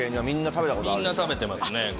みんな食べてますね